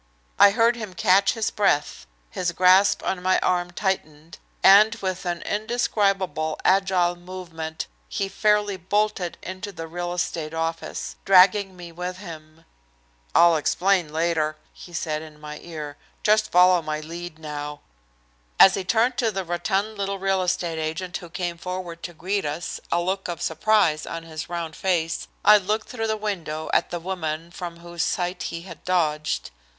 I heard him catch his breath, his grasp on my arm tightened, and with an indescribable agile movement he fairly bolted into the real estate office, dragging me with him. "I'll explain later," he said in my ear. "Just follow my lead now." As he turned to the rotund little real estate agent, who came forward to greet us, a look of surprise on his round face, I looked through the window at the woman from whose sight he had dodged.